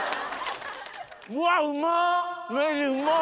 うわうまっ！